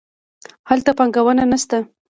هلته پانګونه نه شته.